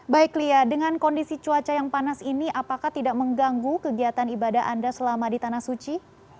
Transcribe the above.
baik lia dengan kondisi cuaca yang panas ini apakah tidak mengganggu kegiatan ibadah anda selama di tanah suci